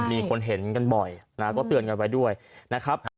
มีคนเห็นกันบ่อยนะก็เตือนกันไว้ด้วยนะครับ